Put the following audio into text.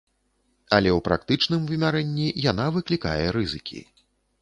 Але ў практычным вымярэнні яна выклікае рызыкі.